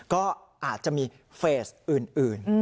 ก็อาจจะมีเฟสอื่น